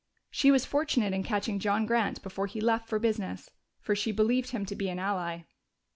She was fortunate in catching John Grant before he left for business, for she believed him to be an ally.